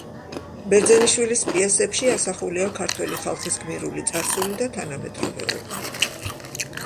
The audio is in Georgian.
ბერძენიშვილის პიესებში ასახულია ქართველი ხალხის გმირული წარსული და თანამედროვეობა.